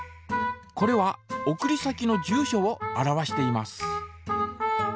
これは送り先の住所を表しています。